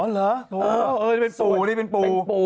อ๋อเหรอเป็นปู